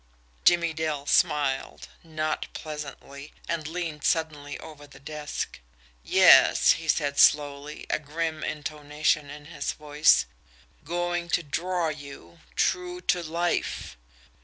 Jimmie Dale smiled not pleasantly and leaned suddenly over the desk. "Yes," he said slowly, a grim intonation in his voice, "going to draw you TRUE TO LIFE."